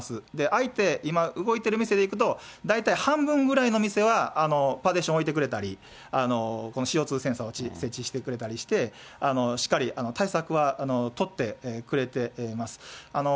開いて、今動いている店でいくと、大体半分ぐらいの店は、パーテーション置いてくれたり、ＣＯー２センサーを設置してくれたりして、しっかり対策は取ってくれてます。